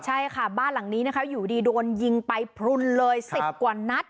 ใช่ค่ะบ้านหลังนี้นะคะอยู่ดีโดนยิงไปพลุนเลย๑๐กว่านัด